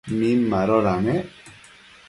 Min madoda nec ?